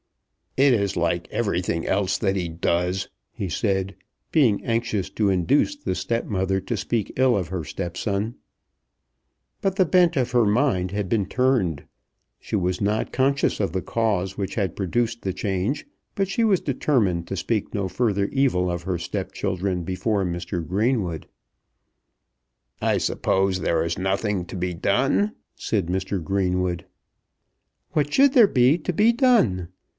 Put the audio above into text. "It is like everything else that he does," he said, being anxious to induce the stepmother to speak ill of her stepson. But the bent of her mind had been turned. She was not conscious of the cause which had produced the change, but she was determined to speak no further evil of her stepchildren before Mr. Greenwood. "I suppose there is nothing to be done?" said Mr. Greenwood. "What should there be to be done?